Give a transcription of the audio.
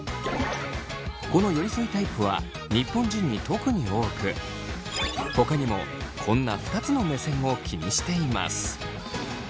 この寄り添いタイプは日本人に特に多くほかにもこんな２つの目線を気にしています。